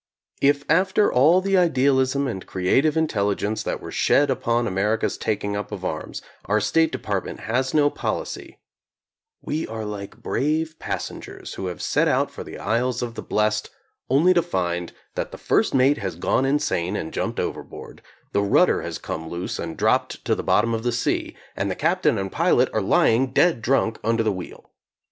If after all the idealism and creative in telligence that were shed upon America's taking up of arms, our State Department has no policy, we are like brave passengers who have set out for the Isles of the Blest only to find that the first mate has gone insane and jumped overboard, the rudder has come loose and dropped to the bottom of the sea, and the captain and pilot are lying dead drunk under the wheel.